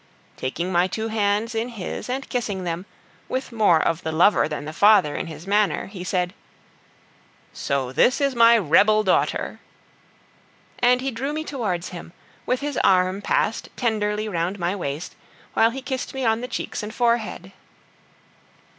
Taking my two hands in his, and kissing them, with more of the lover than the father in his manner, he said: "So this is my rebel daughter!" And he drew me towards him, with his arm passed tenderly round my waist, while he kissed me on the cheeks and forehead.